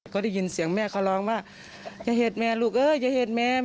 ก็ได้ยินเสียงแม่เขาร้องว่าอย่าเห็นแม่ลูกเอ้ยอย่าเห็นแม่